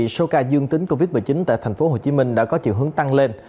số ca dương tính covid một mươi chín tại tp hcm đã có chiều hướng tăng lên